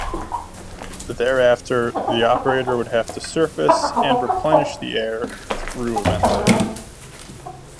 Thereafter, the operator would have to surface and replenish the air through a ventilator.